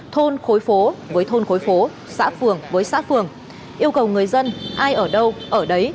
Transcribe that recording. thôn khối phố với thôn khối phố xã phường với xã phường yêu cầu người dân ai ở đâu ở đấy